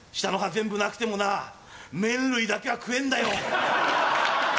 全部なくてもな麺類だけは食えんだよ。